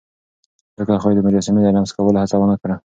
ځکه خو يې د مجسمې د لمس کولو هڅه ونه کړه.